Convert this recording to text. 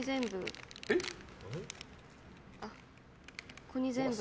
ここに全部。